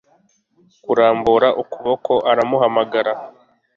kurambura ukuboko aramuhamagara